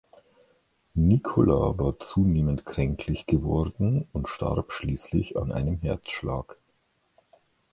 Nikola war zunehmend kränklich geworden und starb schließlich an einem Herzschlag.